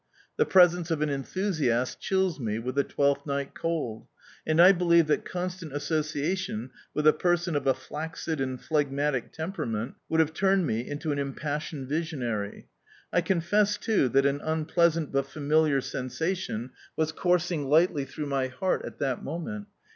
The presence of an enthusiast chills me with a twelfth night cold, and I believe that constant association with a person of a flaccid and phlegmatic temperament would have turned me into an impassioned visionary. I confess, too, that an unpleasant but familiar sensation was coursing lightly through my heart at that moment.